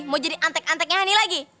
mau jadi antek anteknya hani lagi